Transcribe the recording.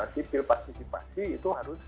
sipil partisipasi itu harus